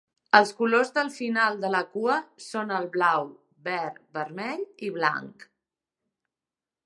Els colors del final de la cua són el blau, verd, vermell i blanc.